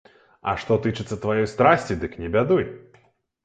А што тычыцца тваёй старасці, дык не бядуй.